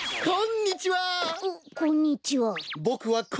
おっこんにちは。